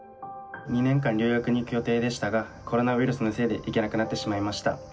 ２年間留学に行く予定でしたがコロナウイルスのせいで行けなくなってしまいました。